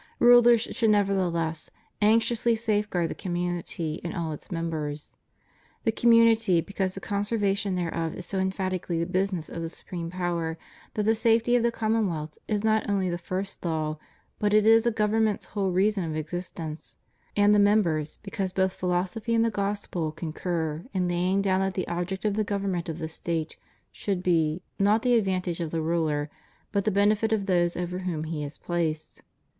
Rulers should, nevertheless, anxiously safeguard the community and all its members: the community, because the conservation thereof is so emphatically the business of the supreme power that the safety of the conunonwealth is not only the first law, but it is a government's whole reason of existence; and the members, because both philosophy and the Gospel concur in laying down that the object of the government of the State should be, not the advantage of the ruler, but the benefit of those over whom he is placed.